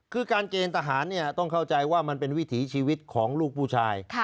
คือการเกณฑ์ทหารต้องเข้าใจว่ามันเป็นวิถีชีวิตของลูกผู้ชาย